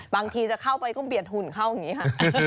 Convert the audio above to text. บางทีจะเข้าไปก็เบียดหุ่นเข้าอย่างนี้ค่ะ